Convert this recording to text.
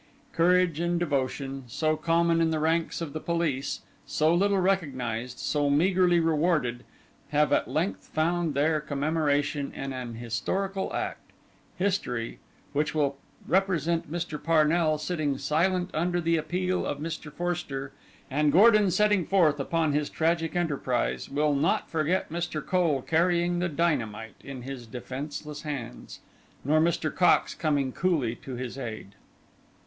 Courage and devotion, so common in the ranks of the police, so little recognised, so meagrely rewarded, have at length found their commemoration in an historical act. History, which will represent Mr. Parnell sitting silent under the appeal of Mr. Forster, and Gordon setting forth upon his tragic enterprise, will not forget Mr. Cole carrying the dynamite in his defenceless hands, nor Mr. Cox coming coolly to his aid.